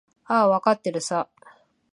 ああ、わかってるさ。